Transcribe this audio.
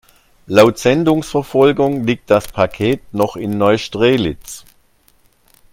Laut Sendungsverfolgung liegt das Paket noch in Neustrelitz.